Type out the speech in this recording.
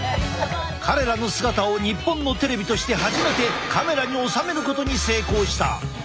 彼らの姿を日本のテレビとして初めてカメラに収めることに成功した。